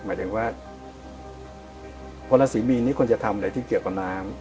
หมายถึงว่าคนราศีมีนนี่ควรจะทำอะไรที่เกี่ยวกับน้ำ